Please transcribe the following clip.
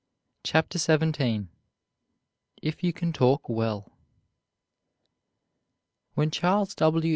CHAPTER XVII IF YOU CAN TALK WELL When Charles W.